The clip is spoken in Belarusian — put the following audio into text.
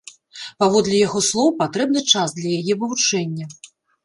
Паводле яго слоў, патрэбны час для яе вывучэння.